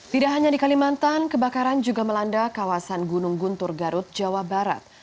tidak hanya di kalimantan kebakaran juga melanda kawasan gunung guntur garut jawa barat